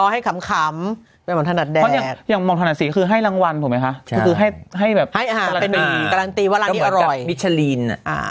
ให้ขำให้หลังวันไปค่ะจะให้ก็ให้แบบกรรตีเบอร์ล่อยังมีชาลีน